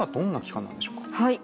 はい。